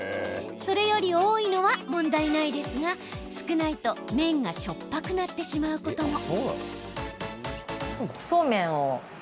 それより多いのは問題ないですが少ないと麺がしょっぱくなってしまうことも。